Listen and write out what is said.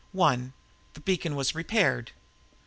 One: The beacon was repaired.